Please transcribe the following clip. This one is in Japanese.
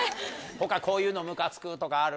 他こういうのムカつくとかある？